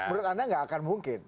menurut anda gak akan mungkin disebut